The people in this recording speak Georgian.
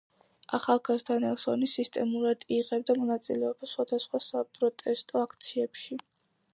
ახალგაზრდა ნელსონი სისტემატურად იღებდა მონაწილეობას სხვადასხვა საპროტესტო აქციებში.